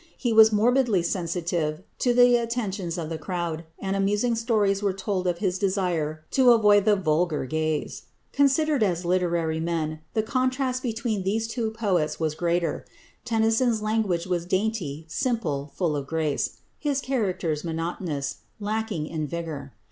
He was morbidly sensitive to the attentions of the crowd, and amusing stories are told of his desire to avoid the "vulgar" gaze. Considered as literary men, the contrast between these poets was greater. Tennyson's language was dainty, simple, full of grace; his characters monotonous, lacking in vigour.